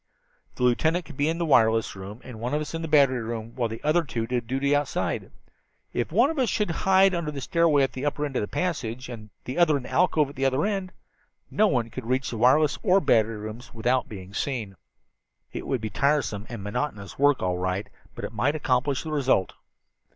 "The lieutenant could be in the wireless room, and one of us in the battery room, while the other two did duty outside. If one of us should hide under that stairway at the upper end of the passage, and the other in that alcove at the other end, no one could reach the wireless or battery rooms without our seeing. "It would be tiresome and monotonous work, all right, but it might accomplish the result."